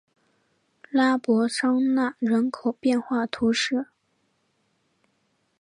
拉博桑讷人口变化图示